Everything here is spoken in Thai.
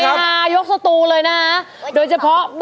ขอบคุณครับ